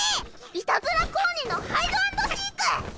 いたずら小鬼のハイドアンドシーク！